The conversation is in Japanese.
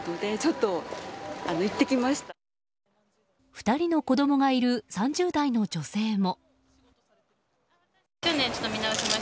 ２人の子供がいる３０代の女性も。